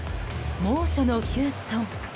猛暑のヒューストン。